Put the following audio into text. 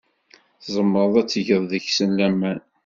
Tzemreḍ ad tgeḍ deg-sen laman.